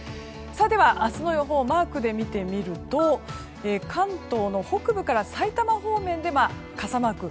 では、明日の予報をマークで見てみると関東の北部から埼玉方面では傘マーク。